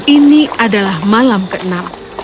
ini adalah malam keenam